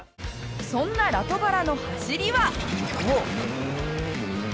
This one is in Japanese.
そんなラトバラの走りは。